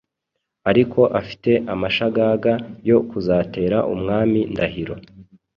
ariko afite amashagaga yo kuzatera Umwami Ndahiro